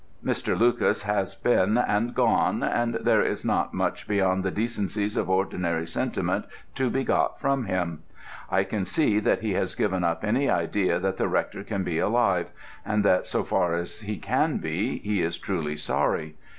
_ Mr. Lucas has been, and gone, and there is not much beyond the decencies of ordinary sentiment to be got from him. I can see that he has given up any idea that the Rector can be alive, and that, so far as he can be, he is truly sorry.